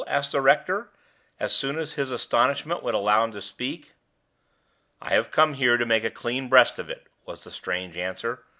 asked the rector, as soon as his astonishment would allow him to speak. "I have come here to make a clean breast of it!" was the strange answer.